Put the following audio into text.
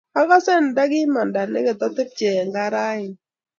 Akase anda kimanda ne katatepche eng kaa raini.